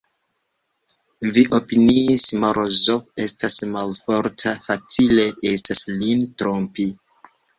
Vi opiniis: Morozov estas malforta, facile estas lin trompi!